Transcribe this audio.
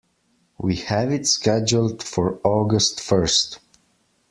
We have it scheduled for August first.